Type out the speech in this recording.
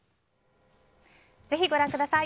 ぜひご覧ください。